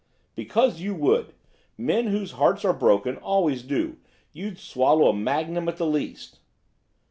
'Because you would, men whose hearts are broken always do, you'd swallow a magnum at the least.